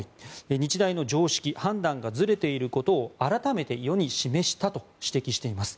日大の常識、判断がずれていることを改めて世に示したと指摘しています。